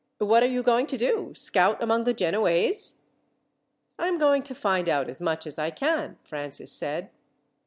What are you going to do scout among the Genoese?" "I am going to find out as much as I can," Francis said.